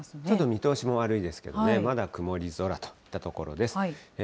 ちょっと見通しも悪いですけどね、まだ曇り空といったところです。